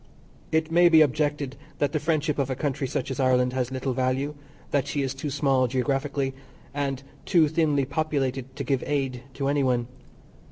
It may be objected that the friendship of a country such as Ireland has little value; that she is too small geographically, and too thinly populated to give aid to any one.